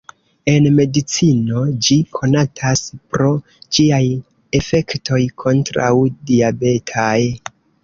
En medicino, ĝi konatas pro ĝiaj efektoj kontraŭ-diabetaj.